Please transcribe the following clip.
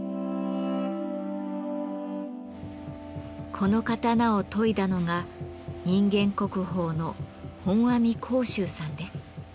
この刀を研いだのが人間国宝の本阿弥光洲さんです。